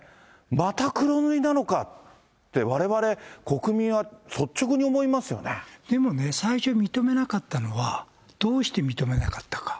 また黒塗りなのかって、われわれ、でもね、最初、認めなかったのは、どうして認めなかったか。